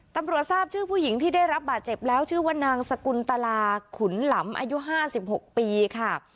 ตำรวจทราบชื่อผู้หญิงที่ได้รับบาดเจ็บแล้วชื่อว่านางสกุลตลาขุนหลำอายุ๕๖ปีค่ะ